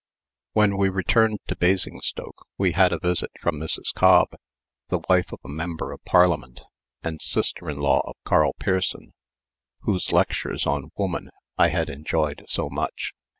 When we returned to Basingstoke we had a visit from Mrs. Cobb, the wife of a member of Parliament, and sister in law of Karl Pearson, whose lectures on woman I had enjoyed so much.